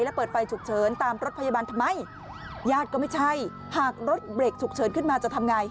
และเปิดไฟฉุกเฉินตามรถพยาบาลทำไมญาติก็ไม่ใช่หากรถเบรกฉุกเฉินขึ้นมาจะทำไง